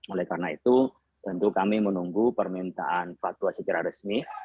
oleh karena itu tentu kami menunggu permintaan fatwa secara resmi